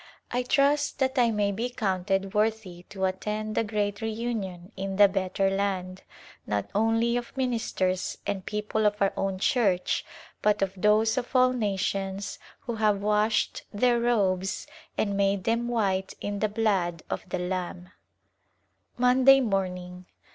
I trust that I may be counted worthy to attend the great reunion in the better land, not only of ministers and people of our own Church but of those of all nations who have " washed their robes and made f them white in the blood of the Lamb." Monday morning.